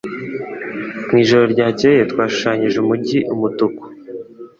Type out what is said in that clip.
Mu ijoro ryakeye twashushanyije umujyi umutuku.